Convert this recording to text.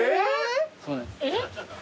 えっ！